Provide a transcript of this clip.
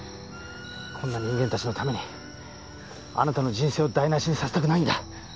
こんな人間たちのためにあなたの人生を台無しにさせたくないんだ。